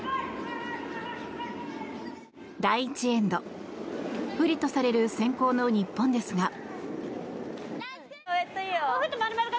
第１エンド不利とされる先攻の日本ですが。